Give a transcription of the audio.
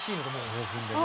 興奮でね。